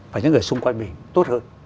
và những người xung quanh mình tốt hơn